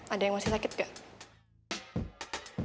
ada yang masih sakit gak